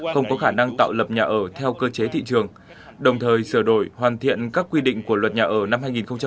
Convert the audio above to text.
không có khả năng tạo lập nhà ở theo cơ chế thị trường đồng thời sửa đổi hoàn thiện các quy định của luật nhà ở năm hai nghìn một mươi bốn